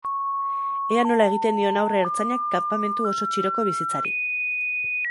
Ea nola egiten dion aurre ertzainak kanpamentu oso txiroko bizitzari.